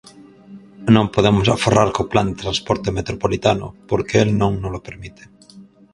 Non podemos aforrar co Plan de transporte metropolitano porque el non nolo permite.